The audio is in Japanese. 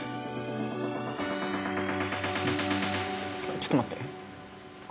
ちょっと待って。